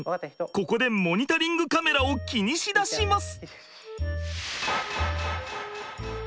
ここでモニタリングカメラを気にしだします。